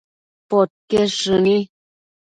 podquied shëni